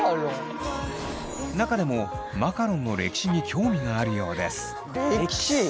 中でもマカロンの歴史に興味があるようです。